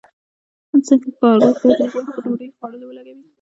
ځکه کارګر باید لږ وخت په ډوډۍ خوړلو ولګوي